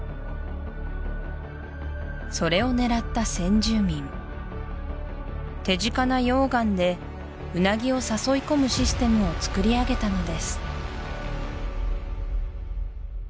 それを狙った先住民手近な溶岩でウナギを誘い込むシステムをつくりあげたのです